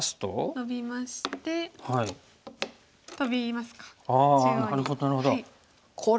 ノビましてトビますか中央に。